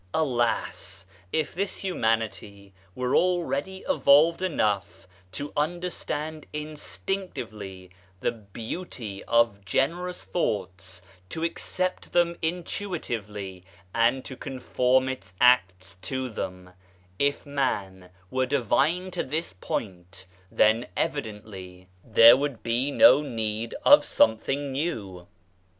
Alas ! if this humanity were already evolved enough to understand instinctively the beauty of generous thoughts, to accept them in tuitively ,'and to conform its acts to them, if man were divine to this point, then evidently there would be no need of some RENEWAL OF RELIGIONS 23 thing new.